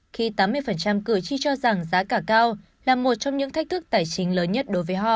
khi tám mươi cử tri cho rằng giá cả cao là một trong những thách thức tài chính lớn nhất đối với họ